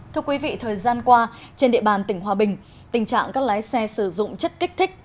thưa quý vị thời gian qua trên địa bàn tỉnh hòa bình tình trạng các lái xe sử dụng chất kích thích